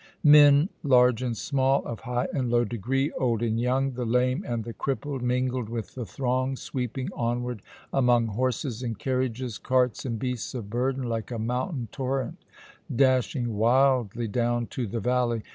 Men large and small, of high and low degree, old and young, the lame and the crippled, mingled with the throng, sweeping onward among horses and carriages, carts and beasts of burden, like a mountain torrent dashing wildly down to the valley.